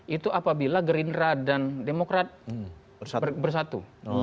itu apabila gerindra dan demokrat bersatu